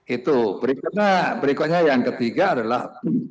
itu berikutnya berikutnya yang ketiga adalah